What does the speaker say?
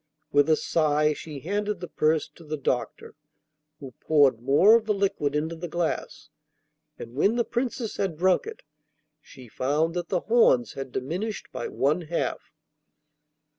With a sigh, she handed the purse to the doctor, who poured more of the liquid into the glass, and when the Princess had drunk it, she found that the horns had diminished by one half.